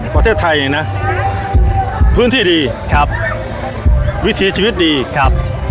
ประเทศไทยเองนะพื้นที่ดีครับวิถีชีวิตดีครับ